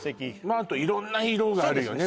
あと色んな色があるよね